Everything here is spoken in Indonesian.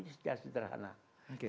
ini tidak sederhana